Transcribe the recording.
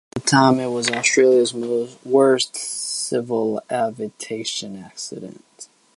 At the time it was Australia's worst civil aviation accident.